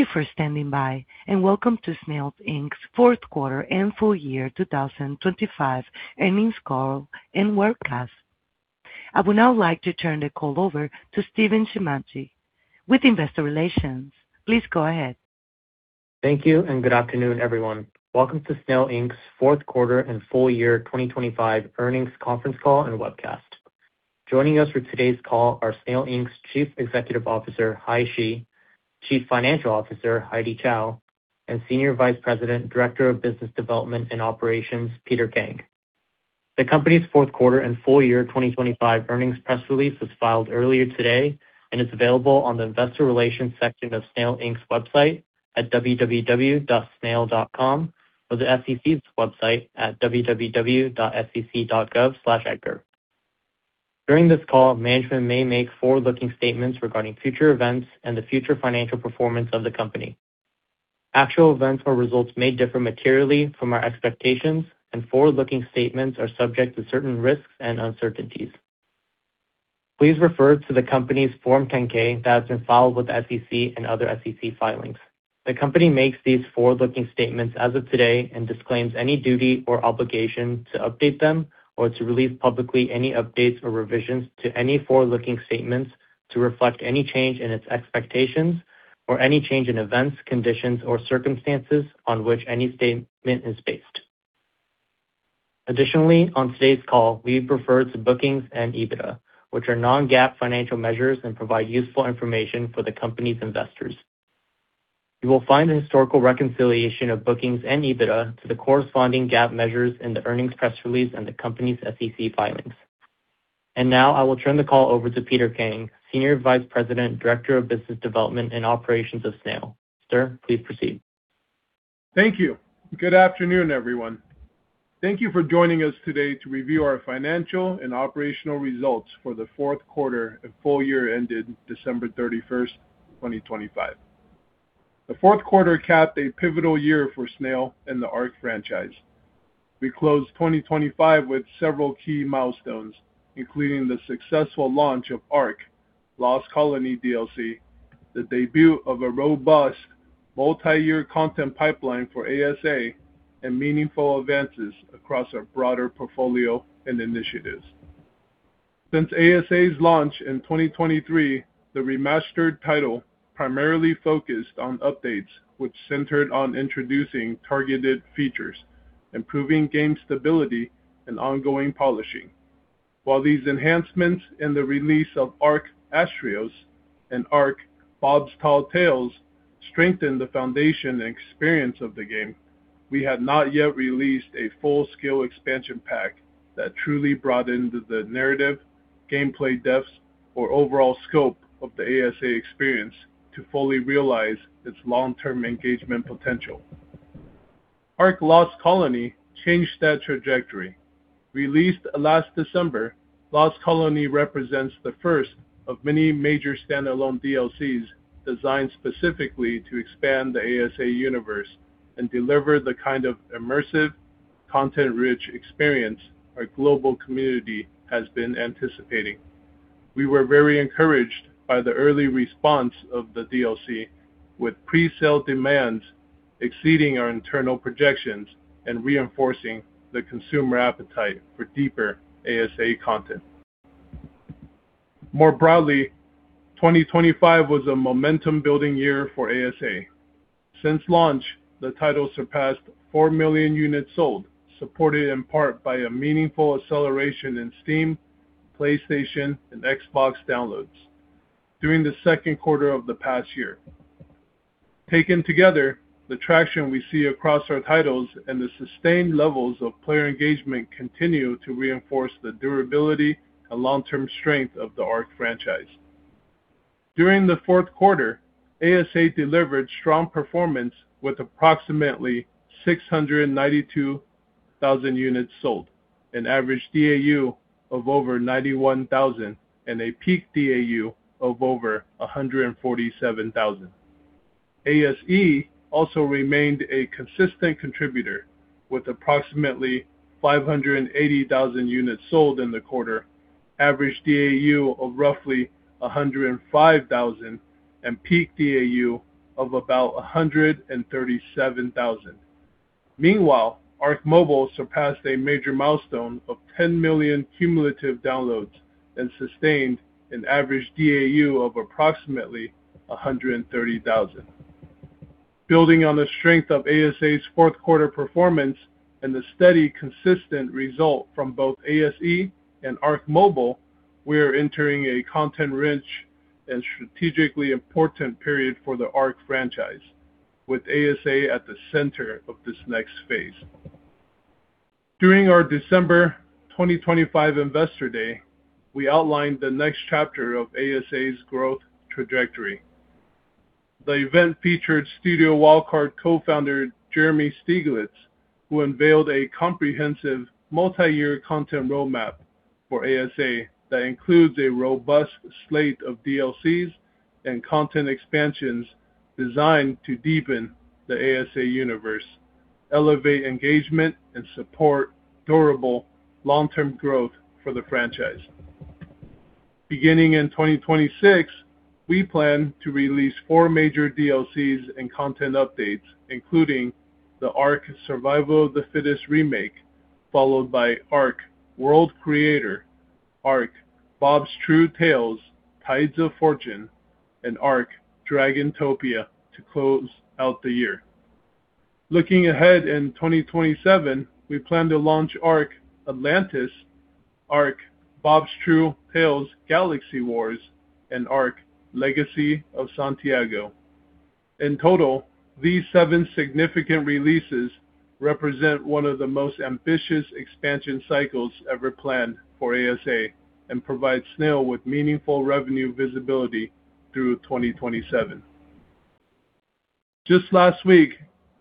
Thank you for standing by, and welcome to Snail, Inc.'s Q4 and Full Year 2025 Earnings Call and webcast. I would now like to turn the call over to Steven Shinmachi with Investor Relations. Please go ahead. Thank you and good afternoon, everyone. Welcome to Snail, Inc.'s Q4 and Full Year 2025 Earnings Conference Call and webcast. Joining us for today's call are Snail, Inc.'s Chief Executive Officer, Hai Shi, Chief Financial Officer, Heidy Chow, and Senior Vice President, Director of Business Development and Operations, Peter Kang. The company's Q4 and full year 2025 earnings press release was filed earlier today and is available on the Investor Relations section of Snail, Inc.'s website at www.snail.com or the SEC's website at www.sec.gov/edgar. During this call, management may make forward-looking statements regarding future events and the future financial performance of the company. Actual events or results may differ materially from our expectations, and forward-looking statements are subject to certain risks and uncertainties. Please refer to the company's Form 10-K that has been filed with the SEC and other SEC filings. The company makes these forward-looking statements as of today and disclaims any duty or obligation to update them or to release publicly any updates or revisions to any forward-looking statements to reflect any change in its expectations or any change in events, conditions, or circumstances on which any statement is based. Additionally, on today's call, we refer to bookings and EBITDA, which are non-GAAP financial measures and provide useful information for the company's investors. You will find a historical reconciliation of bookings and EBITDA to the corresponding GAAP measures in the earnings press release and the company's SEC filings. Now I will turn the call over to Peter Kang, Senior Vice President, Director of Business Development and Operations of Snail. Sir, please proceed. Thank you. Good afternoon, everyone. Thank you for joining us today to review our financial and operational results for the Q4 and full year ended December 31, 2025. The Q4 capped a pivotal year for Snail and the ARK franchise. We closed 2025 with several key milestones, including the successful launch of ARK: Lost Colony DLC, the debut of a robust multi-year content pipeline for ASA, and meaningful advances across our broader portfolio and initiatives. Since ASA's launch in 2023, the remastered title primarily focused on updates which centered on introducing targeted features, improving game stability, and ongoing polishing. While these enhancements in the release of ARK: Astraeos and ARK: Bob's Tall Tales strengthened the foundation and experience of the game, we had not yet released a full-scale expansion pack that truly brought in the narrative, gameplay depths, or overall scope of the ASA experience to fully realize its long-term engagement potential. ARK: Lost Colony changed that trajectory. Released last December, Lost Colony represents the first of many major standalone DLCs designed specifically to expand the ASA universe and deliver the kind of immersive, content-rich experience our global community has been anticipating. We were very encouraged by the early response of the DLC with pre-sale demands exceeding our internal projections and reinforcing the consumer appetite for deeper ASA content. More broadly, 2025 was a momentum-building year for ASA. Since launch, the title surpassed four million units sold, supported in part by a meaningful acceleration in Steam, PlayStation, and Xbox downloads during the Q2 of the past year. Taken together, the traction we see across our titles and the sustained levels of player engagement continue to reinforce the durability and long-term strength of the ARK franchise. During the Q4, ASA delivered strong performance with approximately 692,000 units sold, an average DAU of over 91,000, and a peak DAU of over 147,000. ASE also remained a consistent contributor with approximately 580,000 units sold in the quarter, average DAU of roughly 105,000, and peak DAU of about 137,000. Meanwhile, ARK Mobile surpassed a major milestone of 10 million cumulative downloads and sustained an average DAU of approximately 130,000. Building on the strength of ASA's Q4 performance and the steady, consistent result from both ASE and ARK Mobile, we are entering a content-rich and strategically important period for the ARK franchise, with ASA at the center of this next phase. During our December 2025 Investor Day, we outlined the next chapter of ASA's growth trajectory. The event featured Studio Wildcard co-founder Jeremy Stieglitz, who unveiled a comprehensive multi-year content roadmap for ASA that includes a robust slate of DLCs and content expansions designed to deepen the ASA universe, elevate engagement, and support durable long-term growth for the franchise. Beginning in 2026, we plan to release four major DLCs and content updates, including the ARK: Survival of the Fittest Remake, followed by ARK: World Creator, ARK: Bob's True Tales - Tides of Fortune, and ARK: Dragontopia to close out the year. Looking ahead in 2027, we plan to launch ARK: Atlantis, ARK: Bob's True Tales - Galaxy Wars, and ARK: Legacy of Santiago. In total, these seven significant releases represent one of the most ambitious expansion cycles ever planned for ASA and provide Snail with meaningful revenue visibility through 2027. Just last week,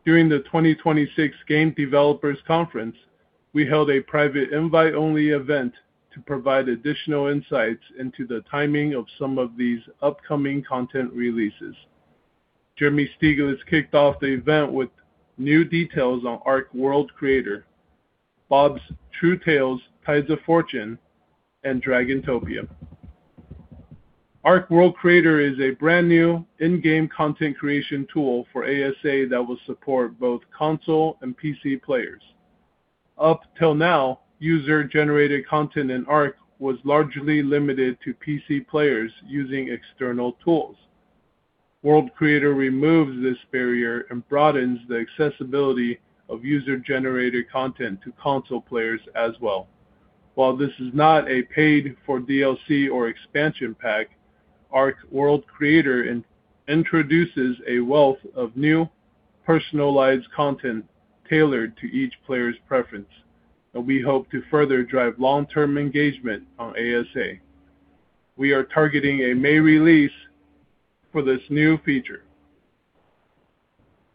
during the 2026 Game Developers Conference, we held a private invite-only event to provide additional insights into the timing of some of these upcoming content releases. Jeremy Stieglitz kicked off the event with new details on ARK: World Creator, Bob's True Tales - Tides of Fortune, and Dragontopia. ARK: World Creator is a brand-new in-game content creation tool for ASA that will support both console and PC players. Up till now, user-generated content in ARK was largely limited to PC players using external tools. World Creator removes this barrier and broadens the accessibility of user-generated content to console players as well. While this is not a paid for DLC or expansion pack, ARK: World Creator introduces a wealth of new personalized content tailored to each player's preference that we hope to further drive long-term engagement on ASA. We are targeting a May release for this new feature.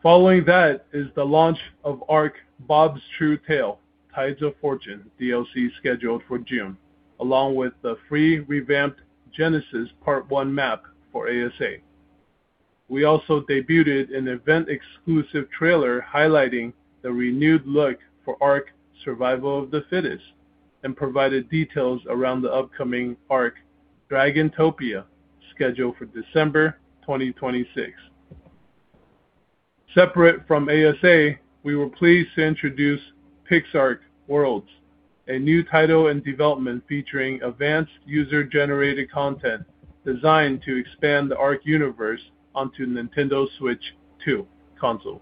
Following that is the launch of ARK: Bob's True Tales - Tides of Fortune DLC scheduled for June, along with the free revamped Genesis: Part 1 map for ASA. We also debuted an event-exclusive trailer highlighting the renewed look for ARK: Survival of the Fittest and provided details around the upcoming ARK: Dragontopia scheduled for December 2026. Separate from ASA, we were pleased to introduce PixARK: Worlds, a new title in development featuring advanced user-generated content designed to expand the ARK universe onto Nintendo Switch 2 console.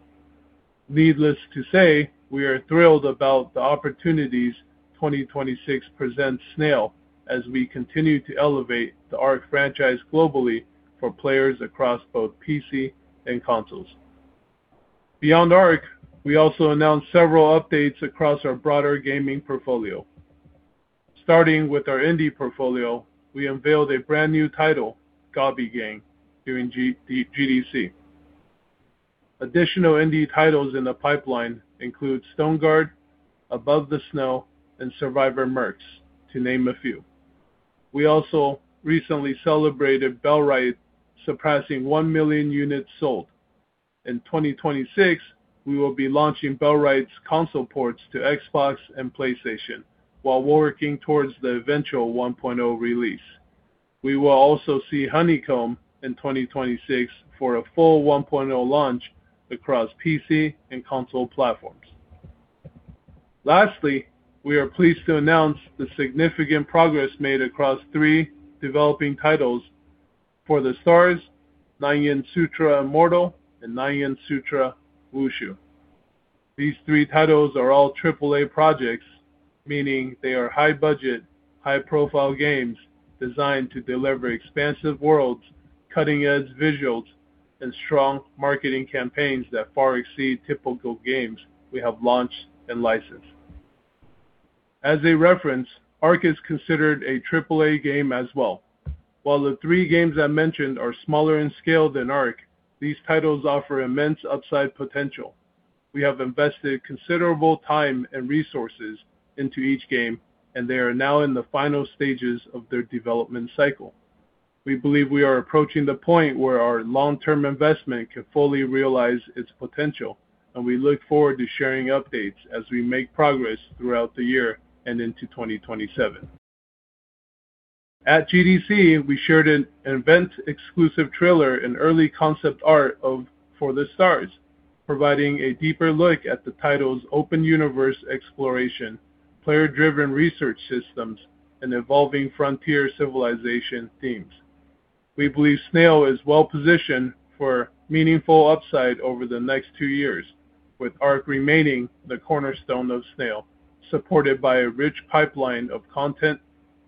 Needless to say, we are thrilled about the opportunities 2026 presents Snail as we continue to elevate the ARK franchise globally for players across both PC and consoles. Beyond ARK, we also announced several updates across our broader gaming portfolio. Starting with our indie portfolio, we unveiled a brand-new title, Gobby Gang, during the GDC. Additional indie titles in the pipeline include Stoneguard, Above the Snow, and Survivor Mercs, to name a few. We also recently celebrated Bellwright surpassing one million units sold. In 2026, we will be launching Bellwright's console ports to Xbox and PlayStation while working towards the eventual 1.0 release. We will also see Honeycomb in 2026 for a full 1.0 launch across PC and console platforms. Lastly, we are pleased to announce the significant progress made across three developing titles, For the Stars, Nine Yin Sutra: Immortal, and Nine Yin Sutra: Wushu. These three titles are all triple-A projects, meaning they are high-budget, high-profile games designed to deliver expansive worlds, cutting-edge visuals, and strong marketing campaigns that far exceed typical games we have launched and licensed. As a reference, ARK is considered a triple-A game as well. While the three games I mentioned are smaller in scale than ARK, these titles offer immense upside potential. We have invested considerable time and resources into each game, and they are now in the final stages of their development cycle. We believe we are approaching the point where our long-term investment can fully realize its potential, and we look forward to sharing updates as we make progress throughout the year and into 2027. At GDC, we shared an event-exclusive trailer and early concept art of For The Stars, providing a deeper look at the title's open universe exploration, player-driven research systems, and evolving frontier civilization themes. We believe Snail is well-positioned for meaningful upside over the next two years, with ARK remaining the cornerstone of Snail, supported by a rich pipeline of content,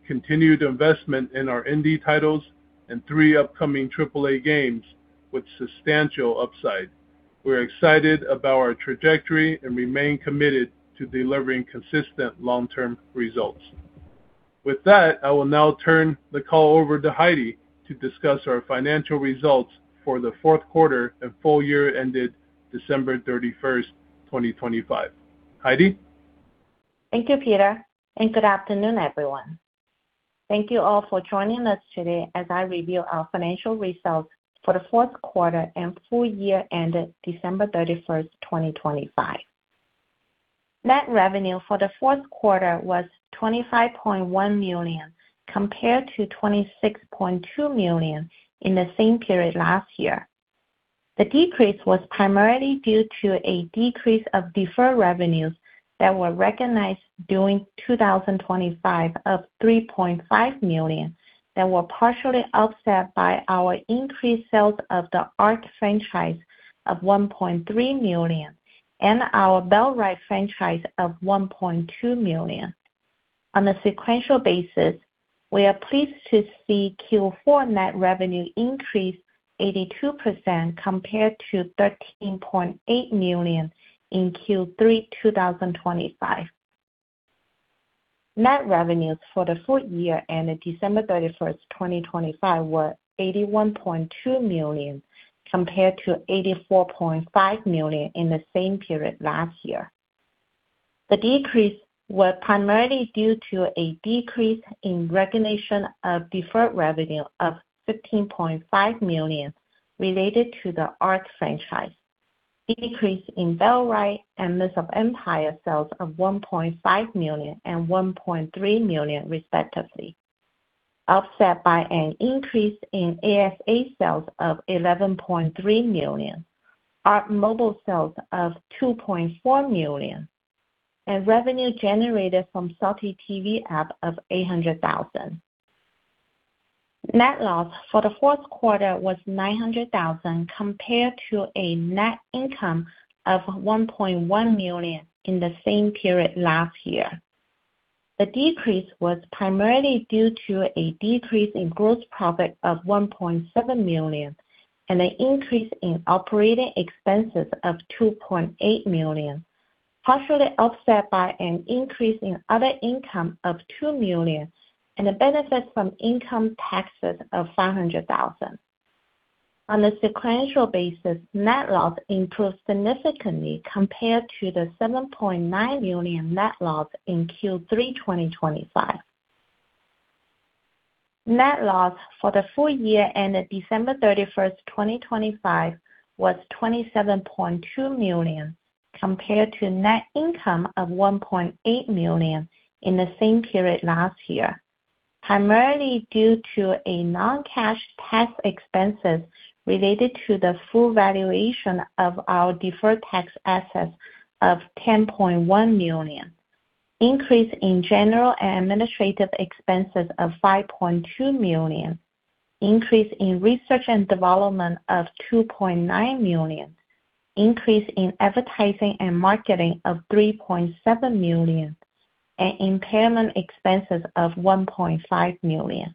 continued investment in our indie titles, and three upcoming triple-A games with substantial upside. We're excited about our trajectory and remain committed to delivering consistent long-term results. With that, I will now turn the call over to Heidy to discuss our financial results for the Q4 and full year ended December 31, 2025. Heidy. Thank you, Peter, and good afternoon, everyone. Thank you all for joining us today as I review our financial results for the Q4 and full year ended December 31, 2025. Net revenue for the fourth quarter was $25.1 million, compared to $26.2 million in the same period last year. The decrease was primarily due to a decrease of deferred revenues that were recognized during 2025 of $3.5 million that were partially offset by our increased sales of the ARK franchise of $1.3 million and our Bellwright franchise of $1.2 million. On a sequential basis, we are pleased to see Q4 net revenue increase 82% compared to $13.8 million in Q3 2025. Net revenues for the full year ended December 31, 2025 were $81.2 million, compared to $84.5 million in the same period last year. The decrease were primarily due to a decrease in recognition of deferred revenue of $15.5 million related to the ARK franchise. Decrease in Bellwright and Myth of Empires sales of $1.5 million and $1.3 million respectively, offset by an increase in ASE sales of $11.3 million, ARK Mobile sales of $2.4 million, and revenue generated from SaltyTV app of $800,000. Net loss for the Q4 was $900,000, compared to a net income of $1.1 million in the same period last year. The decrease was primarily due to a decrease in gross profit of $1.7 million and an increase in operating expenses of $2.8 million, partially offset by an increase in other income of $2 million and the benefit from income taxes of $500,000. On a sequential basis, net loss improved significantly compared to the $7.9 million net loss in Q3 2025. Net loss for the full year ended December 31, 2025 was $27.2 million, compared to net income of $1.8 million in the same period last year. Primarily due to a non-cash tax expense related to the full valuation of our deferred tax assets of $10.1 million, increase in general and administrative expenses of $5.2 million, increase in research and development of $2.9 million, increase in advertising and marketing of $3.7 million, and impairment expenses of $1.5 million.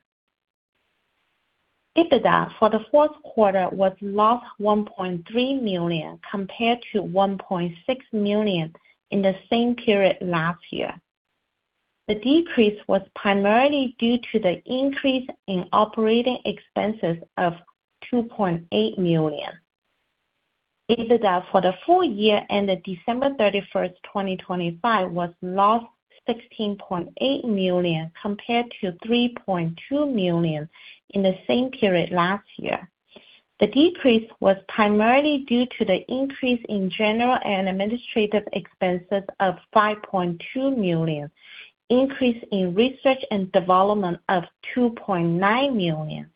EBITDA for the Q4 was a loss of $1.3 million, compared to $1.6 million in the same period last year. The decrease was primarily due to the increase in operating expenses of $2.8 million. EBITDA for the full year ended December 31, 2025 was a loss of $16.8 million, compared to $3.2 million in the same period last year. The decrease was primarily due to the increase in general and administrative expenses of $5.2 million, increase in research and development of $2.9 million,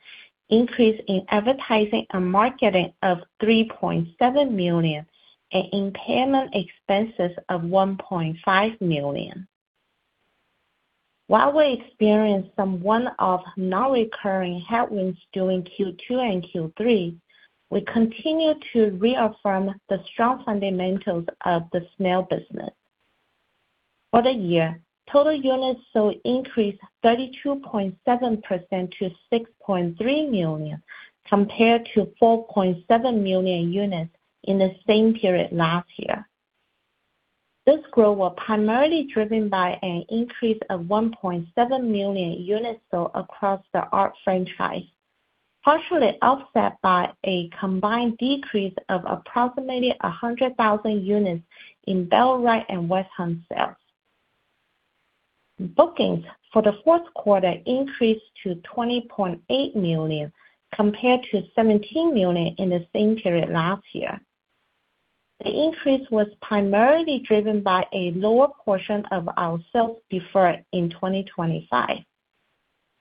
increase in advertising and marketing of $3.7 million, and impairment expenses of $1.5 million. While we experienced some one-off non-recurring headwinds during Q2 and Q3, we continue to reaffirm the strong fundamentals of the Snail business. For the year, total units sold increased 32.7% to 6.3 million, compared to 4.7 million units in the same period last year. This growth was primarily driven by an increase of 1.7 million units sold across the ARK franchise, partially offset by a combined decrease of approximately 100,000 units in Bellwright and West Hunt sales. Bookings for the Q4 increased to $20.8 million, compared to $17 million in the same period last year. The increase was primarily driven by a lower portion of our sales deferred in 2025.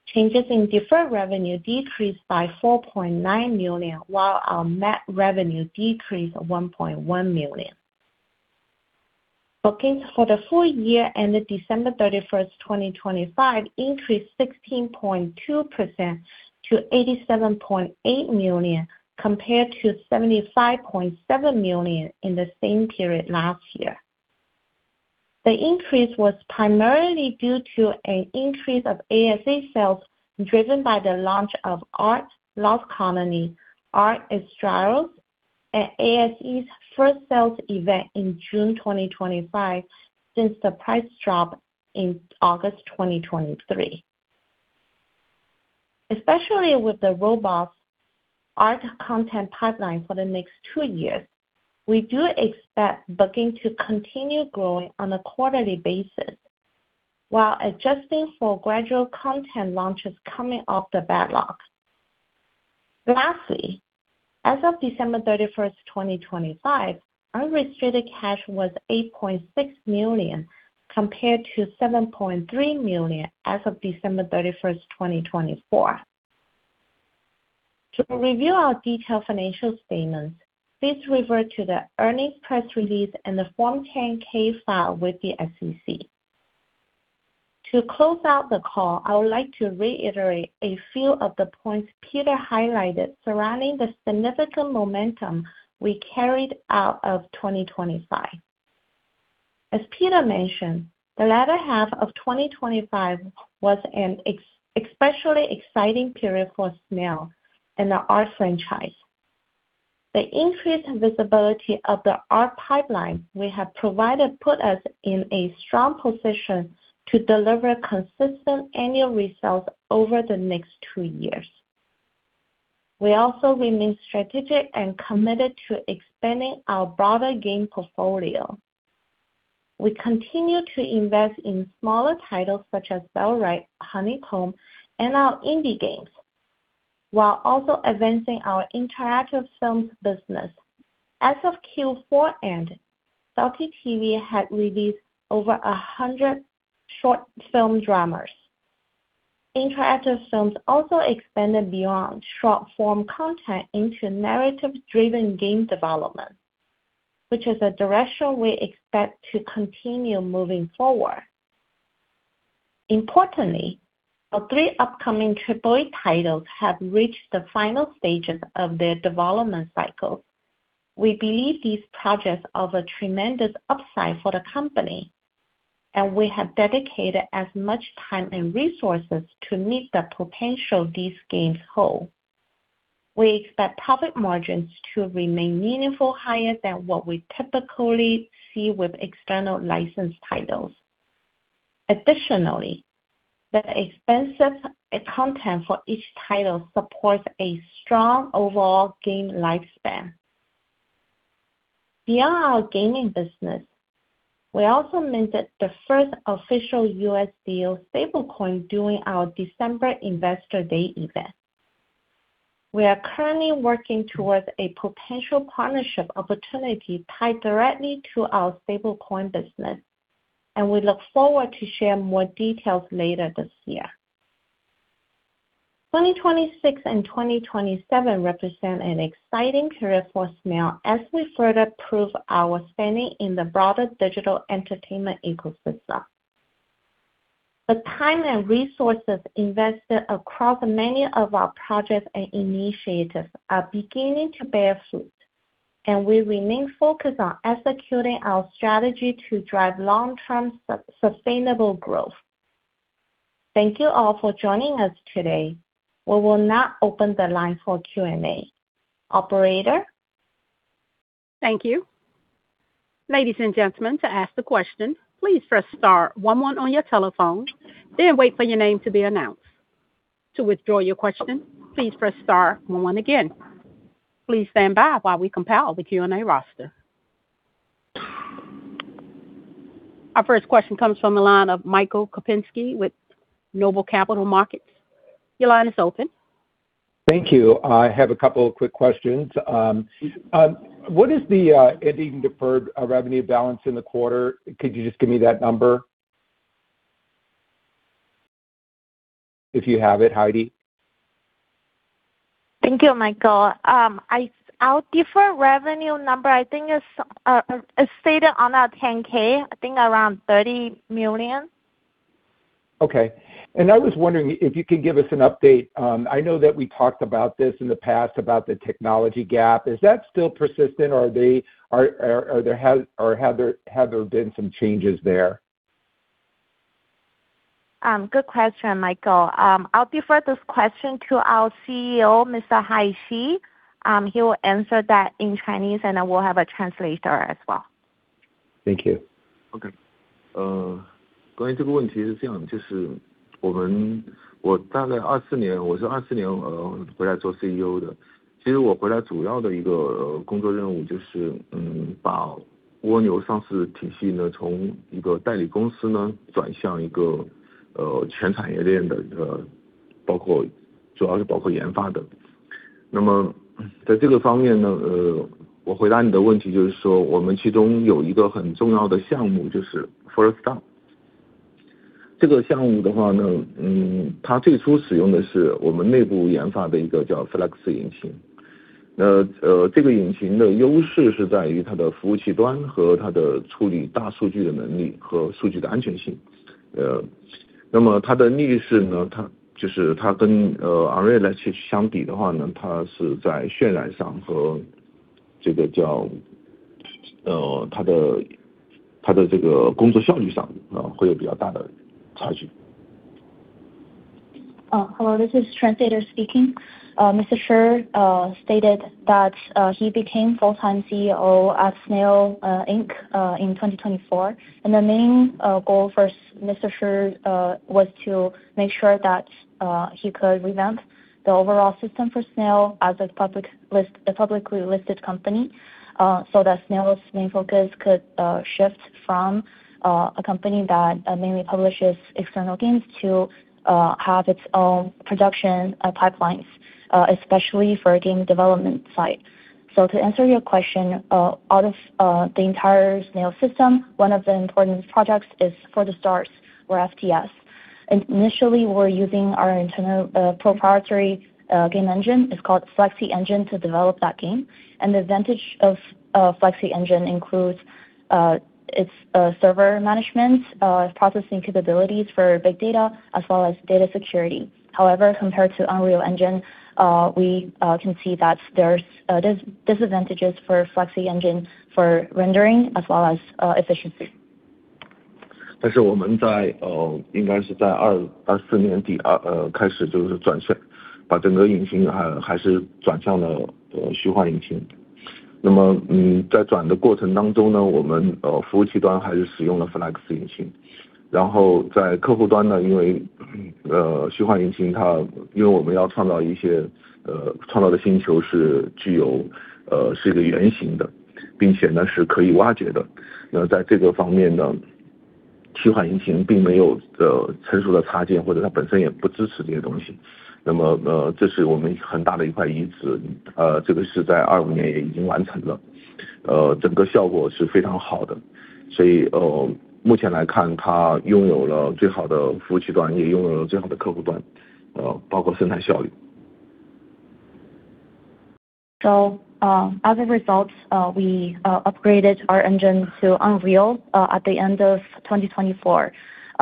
Changes in deferred revenue decreased by $4.9 million, while our net revenue decreased $1.1 million. Bookings for the full year ended December 31, 2025 increased 16.2% to $87.8 million, compared to $75.7 million in the same period last year. The increase was primarily due to an increase of ASE sales driven by the launch of ARK: Lost Colony, ARK: Astraeos, and ASE's first sales event in June 2025 since the price drop in August 2023. Especially with the robust ARK content pipeline for the next two years, we do expect bookings to continue growing on a quarterly basis while adjusting for gradual content launches coming off the backlog. Lastly, as of December 31, 2025, our restricted cash was $8.6 million, compared to $7.3 million as of December 31, 2024. To review our detailed financial statements, please refer to the earnings press release and the Form 10-K filed with the SEC. To close out the call, I would like to reiterate a few of the points Peter highlighted surrounding the significant momentum we carried out of 2025. As Peter mentioned, the latter half of 2025 was an especially exciting period for Snail and the ARK franchise. The increased visibility of the ARK pipeline we have provided put us in a strong position to deliver consistent annual results over the next two years. We also remain strategic and committed to expanding our broader game portfolio. We continue to invest in smaller titles such as Bellwright, Honeycomb and our indie games, while also advancing our Interactive Films business. As of Q4 end, SaltyTV had released over a hundred short film dramas. Interactive Films also expanded beyond short form content into narrative-driven game development, which is a direction we expect to continue moving forward. Importantly, our three upcoming triple-A titles have reached the final stages of their development cycle. We believe these projects have a tremendous upside for the company, and we have dedicated as much time and resources to meet the potential these games hold. We expect profit margins to remain meaningfully higher than what we typically see with external licensed titles. Additionally, the expansive content for each title supports a strong overall game lifespan. Beyond our gaming business, we also minted the first official USDO stablecoin during our December Investor Day event. We are currently working towards a potential partnership opportunity tied directly to our stablecoin business, and we look forward to share more details later this year. 2026 and 2027 represent an exciting period for Snail as we further prove our standing in the broader digital entertainment ecosystem. The time and resources invested across many of our projects and initiatives are beginning to bear fruit, and we remain focused on executing our strategy to drive long-term sustainable growth. Thank you all for joining us today. We will now open the line for Q&A. Operator? Thank you. Ladies and gentlemen, to ask the question, please press star one one on your telephone, then wait for your name to be announced. To withdraw your question, please press star one one again. Please stand by while we compile the Q&A roster. Our first question comes from the line of Michael Kupinski with NOBLE Capital Markets. Your line is open. Thank you. I have a couple of quick questions. What is the ending deferred revenue balance in the quarter? Could you just give me that number? If you have it, Heidy. Thank you, Michael. Our deferred revenue number, I think, is stated on our 10-K. I think around $30 million. Okay. I was wondering if you could give us an update. I know that we talked about this in the past about the technology gap. Is that still persistent or have there been some changes there? Good question, Michael. I'll defer this question to our CEO, Mr. Hai Shi. He will answer that in Chinese, and then we'll have a translator as well. Thank you. Okay. Hello, this is translator speaking. Mr. Shi stated that he became full-time CEO at Snail, Inc., in 2024. The main goal for Mr. Shi was to make sure that he could revamp the overall system for Snail as a publicly listed company, so that Snail's main focus could shift from a company that mainly publishes external games to have its own production pipelines. Especially for game development side. To answer your question, out of the entire Snail system, one of the important projects is For The Stars or FTS. Initially, we're using our internal proprietary game engine. It's called Flexi Engine, to develop that game. The advantage of Flexi Engine includes its server management processing capabilities for big data as well as data security. However, compared to Unreal Engine, we can see that there's disadvantages for Flexi Engine for rendering as well as efficiency. 但是我们在，应该是2024年底，开始就是转向…… As a result, we upgraded our engine to Unreal Engine at the end of 2024.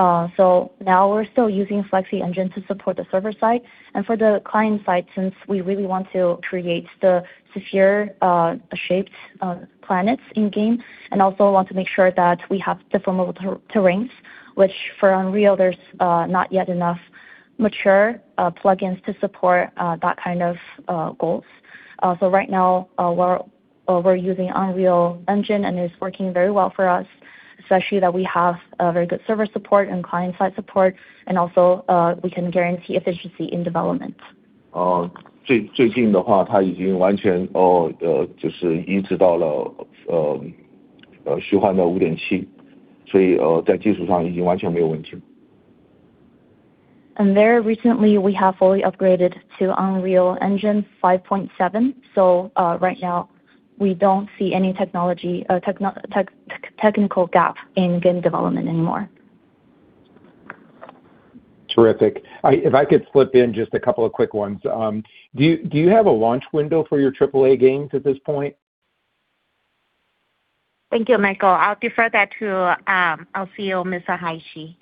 Now we're still using Flexi Engine to support the server side, and for the client side, since we really want to create the sphere-shaped planets in game, and also want to make sure that we have deformable terrains, which for Unreal, there's not yet mature enough plugins to support that kind of goals. Right now, we're using Unreal Engine, and it's working very well for us, especially that we have very good server support and client side support, and also, we can guarantee efficiency in development. 最近的话，它已经完全移植到了虚幻引擎5.7，所以在技术上已经完全没有问题。Very recently, we have fully upgraded to Unreal Engine 5.7. Right now we don't see any technical gap in game development anymore. Terrific. If I could slip in just a couple of quick ones. Do you have a launch window for your triple A games at this point? Thank you, Michael. I'll defer that to our CEO, Mr. Shi.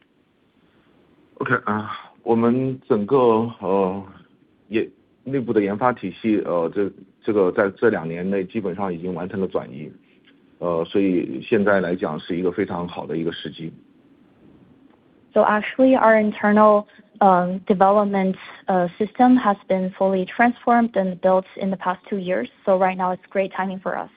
我们整个内部的研发体系，这在这两年内基本上已经完成了转移，所以现在来讲是一个非常好的时机。Actually our internal development system has been fully transformed and built in the past two years. Right now it's great timing for us.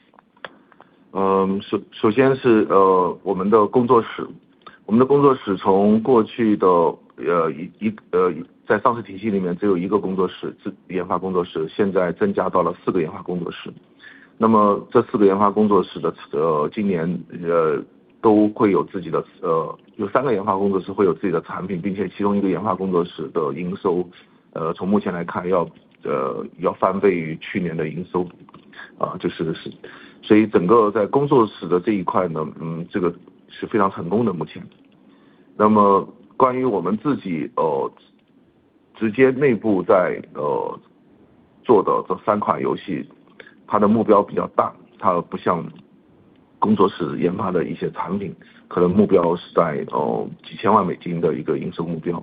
有三个研发工作室会有自己的产品，并且其中一个研发工作室的营收，从目前来看要翻倍于去年的营收。这是好事。所以整个在工作室的这一块，这个是非常成功的，目前。那么关于我们自己直接内部在做的这三款游戏，它的目标比较大，它不像工作室研发的一些产品，可能目标是在几千万美金的一个营收目标。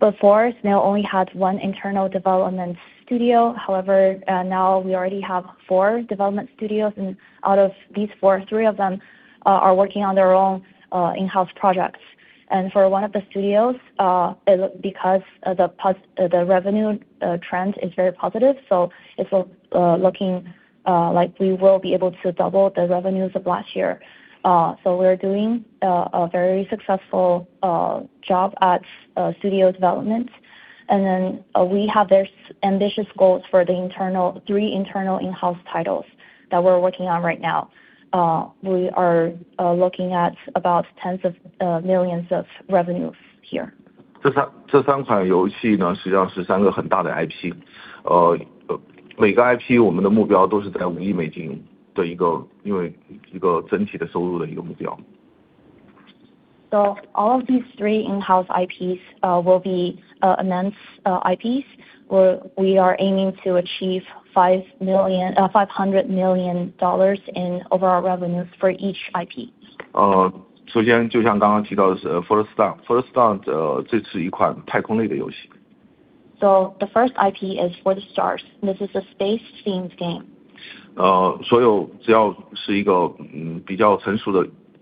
Before Snail only had one internal development studio. However, now we already have four development studios, and out of these four, three of them are working on their own in-house projects. For one of the studios, because the revenue trend is very positive, so it's looking like we will be able to double the revenues of last year. We're doing a very successful job at studio development. Then we have this ambitious goals for the three internal in-house titles that we're working on right now. We are looking at about tens of millions of revenues here. 这三款游戏呢，实际上是三个很大的IP，每个IP我们的目标都是在$5亿的一个整体的收入的目标。All of these three in-house IPs will be immense IPs where we are aiming to achieve $500 million in overall revenues for each IP. 首先就像刚刚提到的For the Stars。For the Stars这是一款太空类的游戏。The first IP is For The Stars. This is a space-themed game.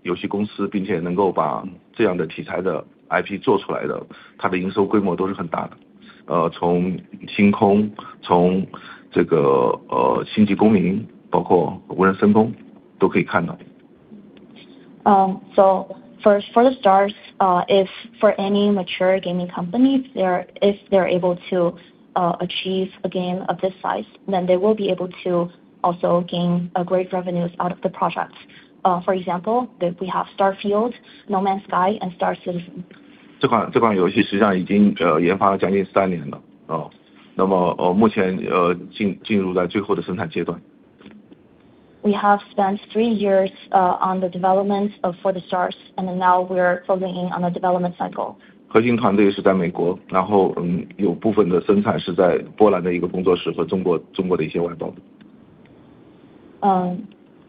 所有只要是一个比较成熟的游戏公司，并且能够把这样的题材的IP做出来的，它的营收规模都是很大的。从星空，从星际公民，包括无人升空都可以看到。First, For The Stars, if for any mature gaming company, they're able to achieve a game of this size, then they will be able to also gain great revenues out of the projects. For example, we have Starfield, No Man's Sky, and Star Citizen. 这款游戏实际上已经研发了将近三年了。那么目前进入了最后的生产阶段。We have spent three years on the development of For The Stars, and now we are focusing on the development cycle.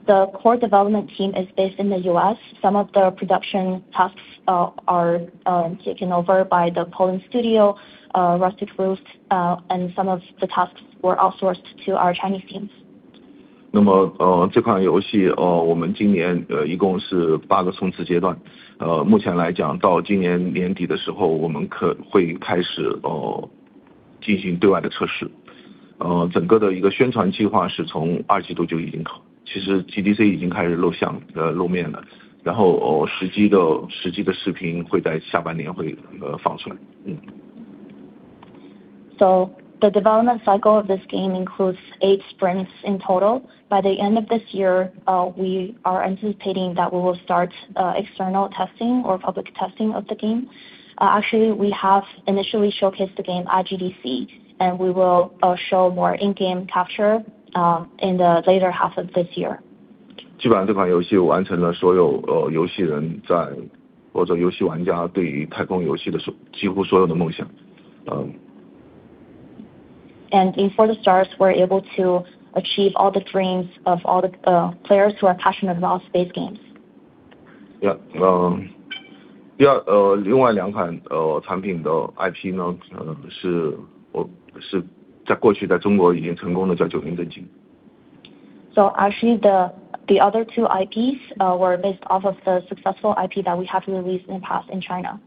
核心团队是在美国，然后有部分的生产是在波兰的一个工作室和中国，中国的一些外包。The core development team is based in the U.S. Some of the production tasks are taken over by the Polish studio, Rustic Root, and some of the tasks were outsourced to our Chinese teams. 这款游戏今年一共是八个冲刺阶段，目前来讲，到今年年底的时候，我们会开始进行对外的测试。整个的宣传计划是从二季度就已经开始，其实GDC已经开始露面了，然后实际的视频会在下半年放出。The development cycle of this game includes eight sprints in total. By the end of this year, we are anticipating that we will start external testing or public testing of the game. Actually we have initially showcased the game at GDC and we will show more in game capture, in the later half of this year. 基本上这款游戏完成了所有游戏人，或者游戏玩家对于太空游戏的几乎所有的梦想。In For The Stars, we're able to achieve all the dreams of all the players who are passionate about space games. 另外两款产品的IP呢，是在过去在中国已经成功了，叫九阴真经。Actually, the other two IPs were based off of the successful IP that we have released in the past in China.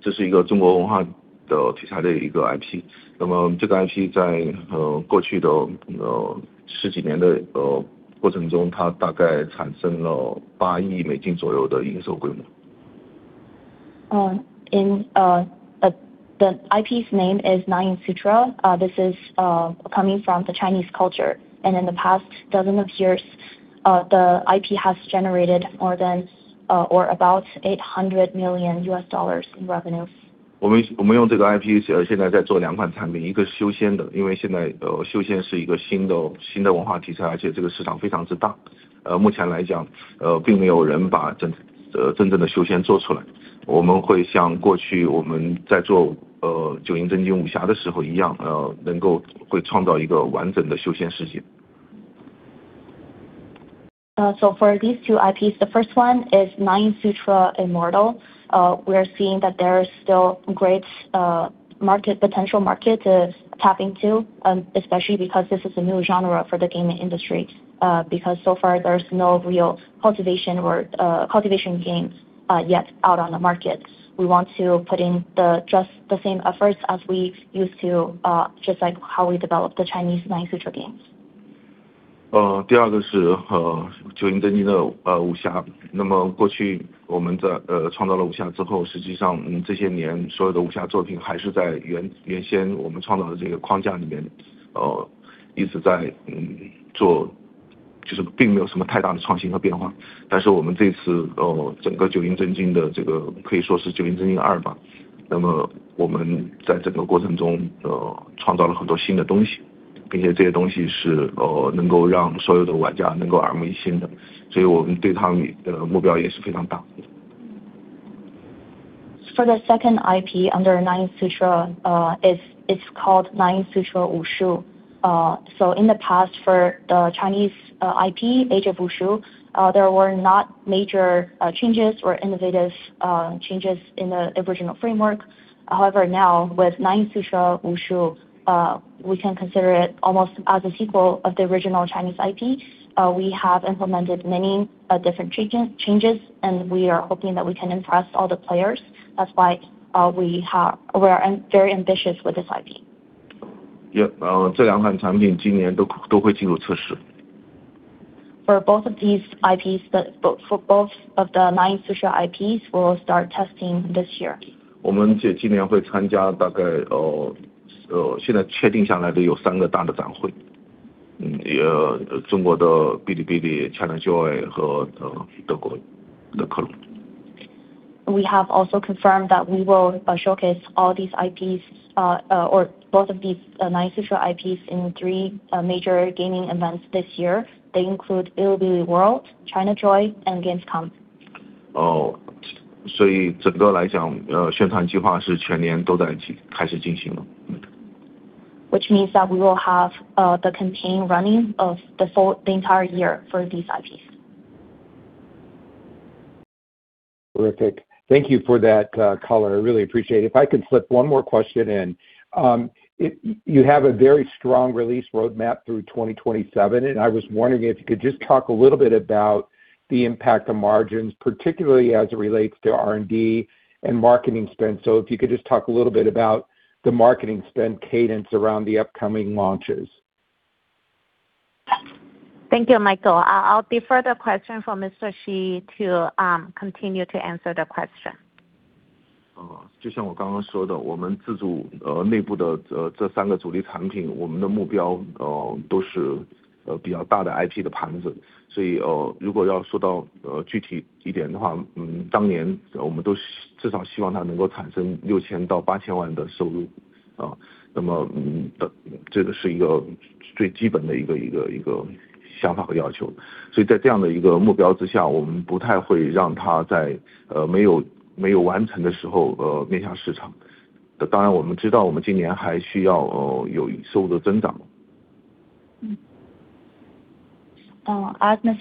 这是一个中国文化的题材的一个IP。那么这个IP在过去的十几年的过程中，它大概产生了八亿美金左右的营收规模。The IP's name is Nine Yin Sutra. This is coming from the Chinese culture. In the past dozen or so years, the IP has generated more than or about $800 million in revenue. 我们用这个IP现在在做两款产品，一个修仙的，因为现在修仙是一个新的文化题材，而且这个市场非常之大。目前来讲，并没有人把真正的修仙做出来，我们会像过去我们在做九阴真经武侠的时候一样，能够去创造一个完整的修仙世界。For these two IPs, the first one is Nine Yin Sutra Immortal. We are seeing that there is still great potential market to tap into, especially because this is a new genre for the gaming industry. Because so far there's no real cultivation games yet out on the market. We want to put in just the same efforts as we used to, just like how we developed the Chinese Nine Yin Sutra games. 第二个是九阴真经的武侠。那么过去我们在创造了武侠之后，实际上我们这些年所有的武侠作品还是在原先我们创造的这个框架里面，一直在做，就是并没有什么太大的创新和变化。但是我们这次，整个九阴真经的，可以说是九阴真经二吧。那么我们在整个过程中创造了很多新的东西，并且这些东西是能够让所有的玩家能够耳目一新的，所以我们对它的目标也是非常大。For the second IP under Nine Yin Sutra, it's called Nine Yin Sutra Wushu. In the past, for the Chinese IP, Age of Wushu, there were not major changes or innovative changes in the original framework. However, now with Nine Yin Sutra Wushu, we can consider it almost as a sequel of the original Chinese IP. We have implemented many different changes and we are hoping that we can impress all the players. That's why we are very ambitious with this IP. 这两款产品今年都会进入测试。For both of the Nine Yin Sutra IPs, we'll start testing this year. 我们也今年会参加，大概现在确定下来的有三个大的展会，有中国的Bilibili、ChinaJoy和德国的Gamescom。We have also confirmed that we will showcase all these IPs, or both of these Nine Yin Sutra IPs in three major gaming events this year. They include Bilibili World, ChinaJoy, and Gamescom. 所以整个来讲，宣传计划是全年都在进行，开始进行了。Which means that we will have the campaign running of the entire year for these IPs. Terrific. Thank you for that color. I really appreciate it. If I can slip one more question in, you have a very strong release roadmap through 2027. I was wondering if you could just talk a little bit about the impact on margins, particularly as it relates to R&D and marketing spend. If you could just talk a little bit about the marketing spend cadence around the upcoming launches. Thank you, Michael. I'll defer the question for Mr. Shi to continue to answer the question. 就像我刚刚说的，我们自主内部的这三个主力产品，我们的目标都是比较大的IP的盘子，所以如果要说到具体一点的话，当年我们都希望——至少希望它能够产生六千到八千万的收入，那么这个是一个最基本的想法和要求。所以在这样的一个目标之下，我们不太会让它在没有完成的时候面向市场。当然我们知道我们今年还需要有营收的增长。As Mr.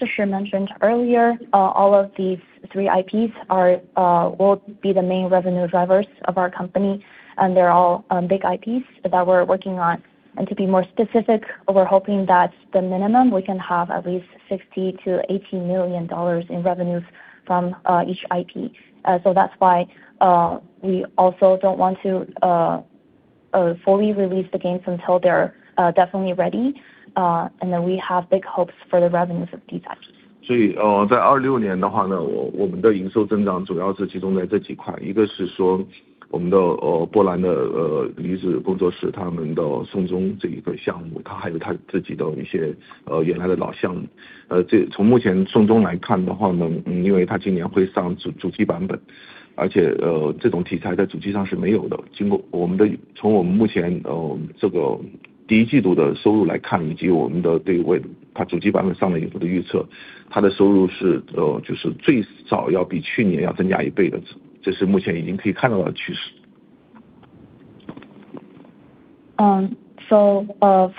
Shi mentioned earlier, all of these three IPs will be the main revenue drivers of our company, and they're all big IPs that we're working on. To be more specific, we're hoping that the minimum we can have at least $60 million-$80 million in revenues from each IP. That's why we also don't want to fully release the games until they're definitely ready. We have big hopes for the revenues of these IPs.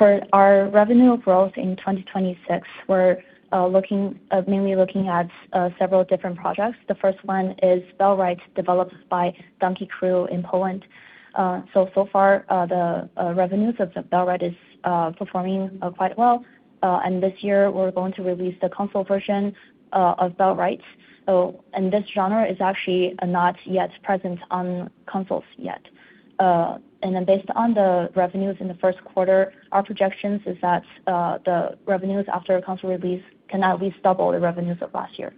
For our revenue growth in 2026, we're mainly looking at several different projects. The first one is Bellwright developed by Donkey Crew in Poland. So far, the revenues of Bellwright is performing quite well. This year we're going to release the console version of Bellwright, and this genre is actually not yet present on consoles yet. Based on the revenues in the first quarter, our projections is that the revenues after console release can at least double the revenues of last year.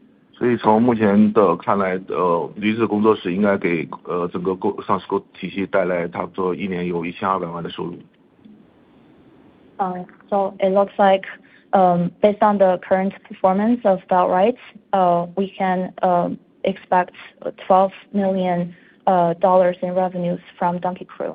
从目前来看，驴子工作室应该给整个公司上市公体系带来差不多一年有$1,200万的收入。It looks like, based on the current performance of Bellwright, we can expect $12 million in revenues from Donkey Crew.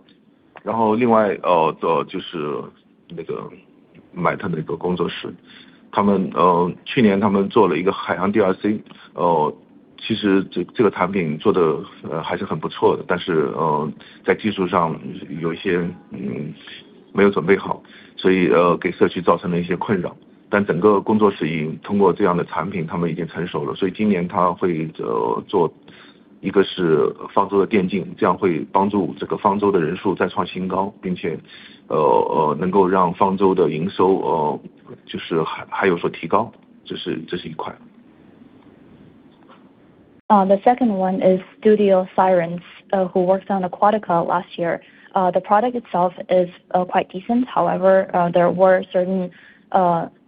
另外，就是那个买它那个工作室，他们去年做了一个海洋DLC，其实这个产品做得还是很不错的，但是在技术上有一些没有准备好，所以给社区造成了一些困扰。但整个工作室已经通过这样的产品，他们已经成熟了，所以今年他会做一个是方舟的电竞，这样会帮助这个方舟的人数再创新高，并且能够让方舟的营收还有所提高。这是一款。The second one is Studio Sirens who worked on ARK: Aquatica last year. The product itself is quite decent. However, there were certain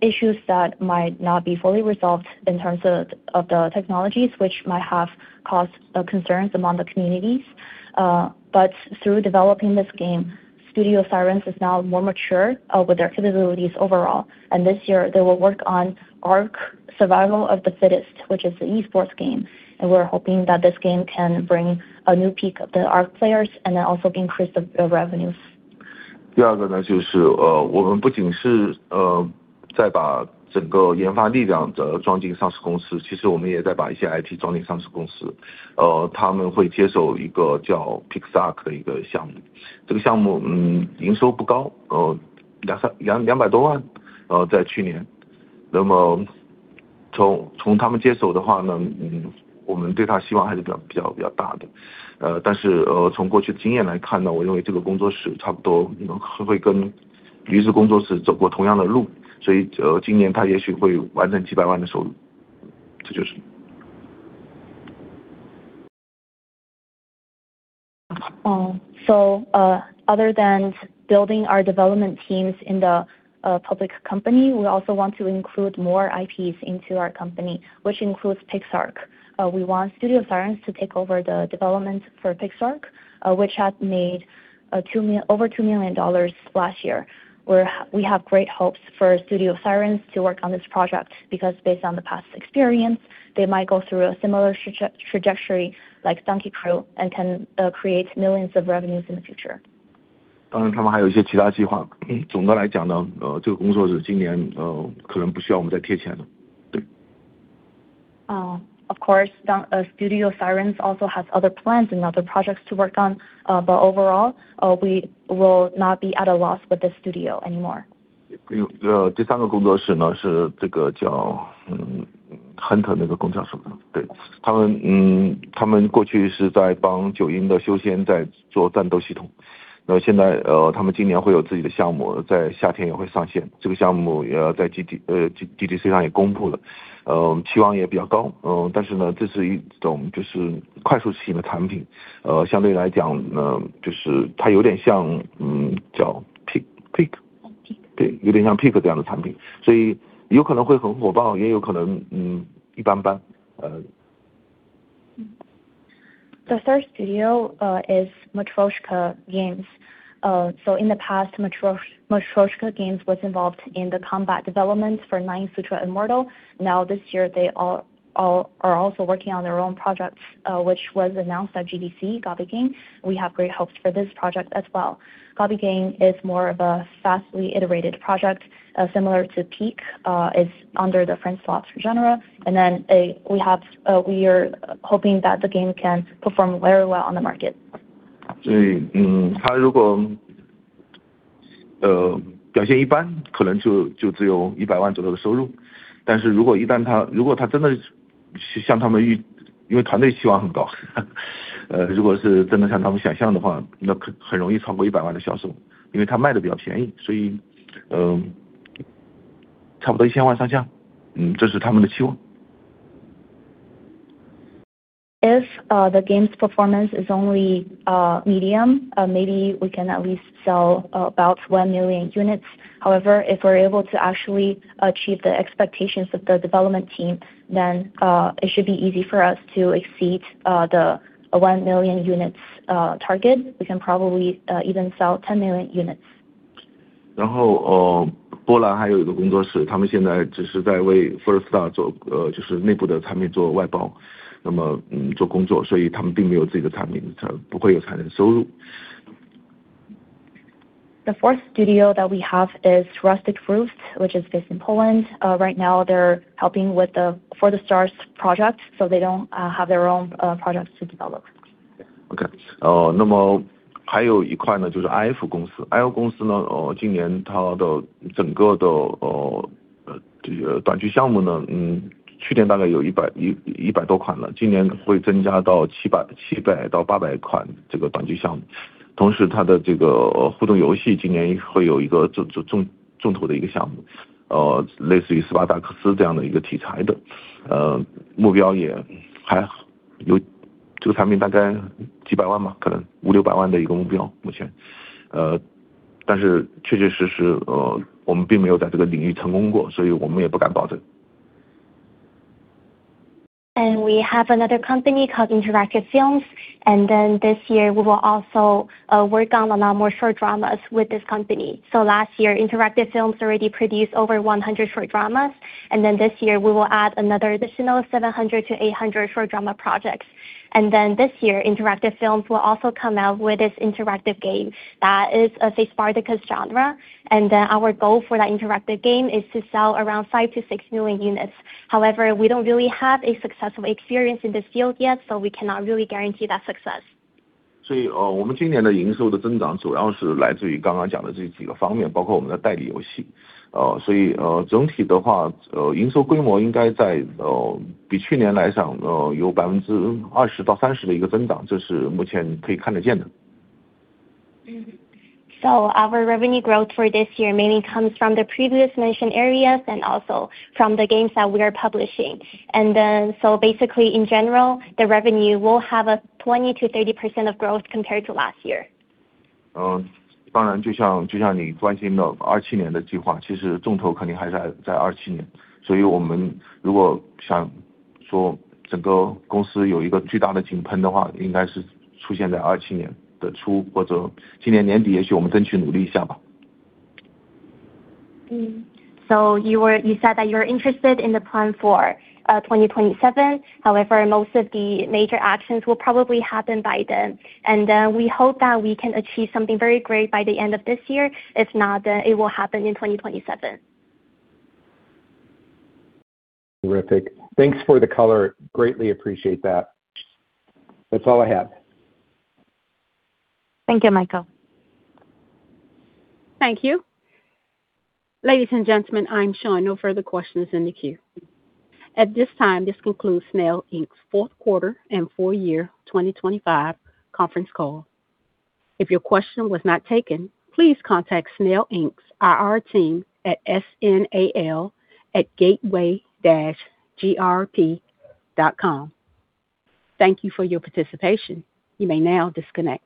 issues that might not be fully resolved in terms of the technologies which might have caused the concerns among the communities. But through developing this game, Studio Sirens is now more mature with their capabilities overall. This year, they will work on ARK: Survival of the Fittest, which is an e-sports game, and we're hoping that this game can bring a new peak of the ARK players and then also increase the revenues. Other than building our development teams in the public company, we also want to include more IPs into our company, which includes PixARK. We want Studio Sirens to take over the development for PixARK, which has made over $2 million last year. We have great hopes for Studio Sirens to work on this project, because based on the past experience, they might go through a similar trajectory like Donkey Crew and can create millions of revenues in the future. 当然他们还有一些其他计划。总的来讲，这个工作室今年可能不需要我们再贴钱了。对。Studio Sirens also has other plans and other projects to work on. Overall, we will not be at a loss with the studio anymore. 有第三个工作室，是这个叫Hunter那个工作室。他们过去是在帮九阴的修仙在做战斗系统，那现在他们今年会有自己的项目，在夏天也会上线，这个项目也要在GDC上也公布了，期望也比较高。但是呢，这是一种就是快速起量的产品，相对来讲呢，就是它有点像叫Peak，Peak。有点像Peak这样的产品，所以有可能会很火爆，也有可能一般般。The third studio is Matryoshka Games. In the past, Matryoshka Games was involved in the combat developments for Nine Yin Sutra Immortal. Now this year, they are also working on their own projects, which was announced at GDC, Gobby Gang. We have great hopes for this project as well. Gobby Gang is more of a fastly iterated project, similar to Pick, it's under the friend slots genre. We are hoping that the game can perform very well on the market. If the game's performance is only medium, maybe we can at least sell about 1 million units. However, if we're able to actually achieve the expectations of the development team, it should be easy for us to exceed the one million units target. We can probably even sell 10 million units. The fourth studio that we have is Rustic Roots, which is based in Poland. Right now they're helping with For The Stars project, so they don't have their own projects to develop. Okay. We have another company called Interactive Films, and then this year we will also work on a lot more short dramas with this company. Last year, Interactive Films already produced over 100 short dramas, and then this year we will add another additional 700-800 short drama projects. This year, Interactive Films will also come out with this interactive game that is a Spartacus genre. Our goal for that interactive game is to sell around 5-6 million units. However, we don't really have a successful experience in this field yet, so we cannot really guarantee that success. Our revenue growth for this year mainly comes from the previously mentioned areas and also from the games that we are publishing. Basically in general, the revenue will have a 20%-30% growth compared to last year. You said that you're interested in the plan for 2027. However, most of the major actions will probably happen by then, and then we hope that we can achieve something very great by the end of this year. If not, then it will happen in 2027. Terrific. Thanks for the color. Greatly appreciate that. That's all I have. Thank you, Michael. Thank you. Ladies and gentlemen, I'm showing no further questions in the queue. At this time, this concludes Snail, Inc.'s Q4 and Full Year 2025 Conference Call. If your question was not taken, please contact Snail, Inc.'s IR team at SNAL@gateway-grp.com. Thank you for your participation. You may now disconnect.